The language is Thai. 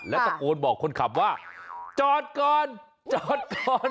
แล้วตะโกนบอกคนขับว่าจอดก่อนจอดก่อน